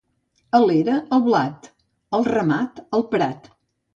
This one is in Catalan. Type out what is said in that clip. A l'era, el blat; el ramat, al prat.